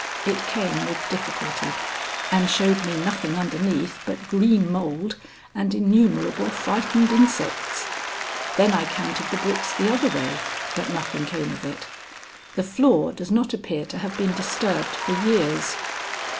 It came with difficulty and showed me nothing underneath but green mold and innumerable frightened insects. Then I counted the bricks the other way, but nothing came of it. The floor does not appear to have been disturbed for years.